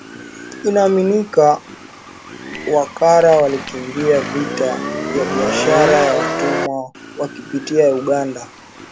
Inaaminika Wakara walikimbia vita vya biashara ya watumwa wakipitia Uganda